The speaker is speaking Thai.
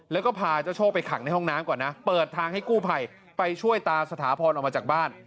แล้วก็พาเจ้าโชคไปขังในห้องน้ำก่อนนะเปิดทางให้กู้ภัยไปช่วยตาสถาพรออกมาจากบ้าน